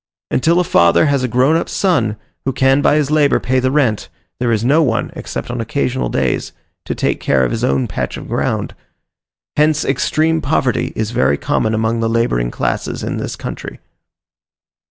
Until a father has a grown up son, who can by his labour pay the rent, there is no one, except on occasional days, to take care of his own patch of ground. Hence extreme poverty is very common among the labouring classes in this country.